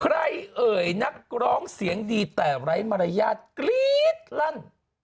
เอ่ยนักร้องเสียงดีแต่ไร้มารยาทกรี๊ดลั่น